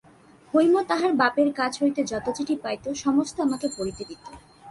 হৈম তাহার বাপের কাছ হইতে যত চিঠি পাইত সমস্ত আমাকে পড়িতে দিত।